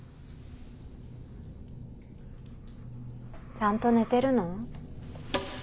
ちゃんと寝てるの？